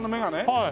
はい。